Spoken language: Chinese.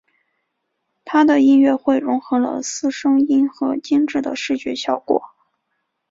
他的音乐会融合了四声音和精致的视觉效果。